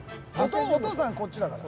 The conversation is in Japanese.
お父さんこっちだから。